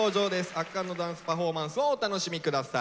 圧巻のダンスパフォーマンスをお楽しみ下さい。